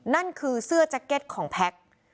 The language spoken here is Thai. นั่นคือเสื้อแจ็คเก็ตของแพ็ค